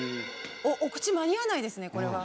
お口間に合わないですねこれは。